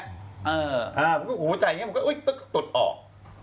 เติบหัวใจตดออก